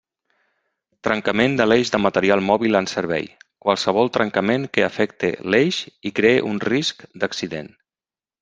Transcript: Trencament de l'eix de material mòbil en servei: qualsevol trencament que afecte l'eix i cree un risc d'accident.